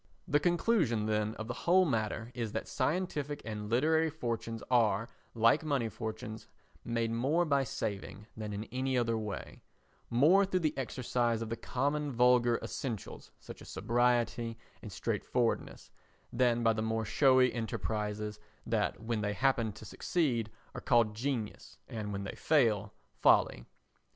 The conclusion, then, of the whole matter is that scientific and literary fortunes are, like money fortunes, made more by saving than in any other way—more through the exercise of the common vulgar essentials, such as sobriety and straightforwardness, than by the more showy enterprises that when they happen to succeed are called genius and when they fail, folly.